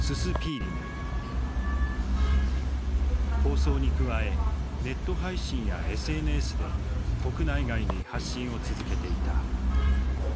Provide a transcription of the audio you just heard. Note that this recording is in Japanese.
放送に加えネット配信やＳＮＳで国内外に発信を続けていた。